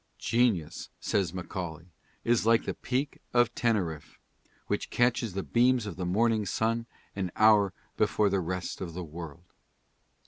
"Genius," says Macaulay, "is like the peak of Teneriffe, which catches the beams of the morning sun an hour before the rest of the world."